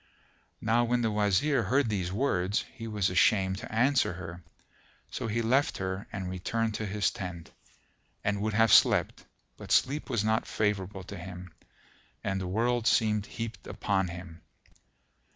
Now when the Wazir heard these words, he was ashamed to answer her; so he left her and returned to his tent, and would have slept; but sleep was not favourable to him and the world seemed heaped upon him.